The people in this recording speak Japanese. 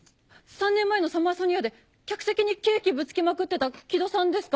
３年前のサマーソニアで客席にケーキぶつけまくってたキドさんですか？